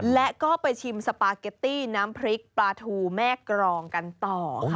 และก็ไปชิมสปาเกตตี้น้ำพริกปลาทูแม่กรองกันต่อค่ะ